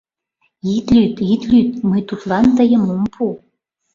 Ит лӱд, ит лӱд: мый тудлан тыйым ом пу.